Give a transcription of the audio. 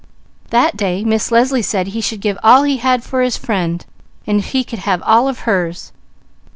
That day, Miss Leslie said he should give all he had for his friend, and he could have all of hers.